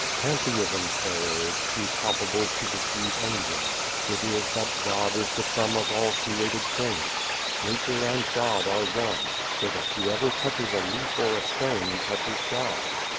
Pantheism's error is too palpable to deceive anyone. It is that God is the sum of all created things. Nature and God are one, so that whoever touches a leaf or a stone touches God.